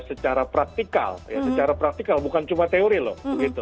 kita melakukan secara praktikal bukan cuma teori loh